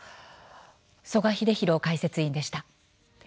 曽我英弘解説委員でした。